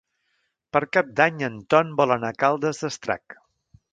Per Cap d'Any en Ton vol anar a Caldes d'Estrac.